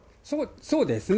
そうですね。